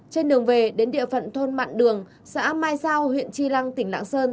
trên đường về đến địa phận thôn mạng đường xã mai sao huyện tri lăng tỉnh lạng sơn